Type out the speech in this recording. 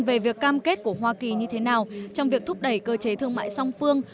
về việc cam kết của hoa kỳ như thế nào trong việc thúc đẩy cơ chế thương mại song phương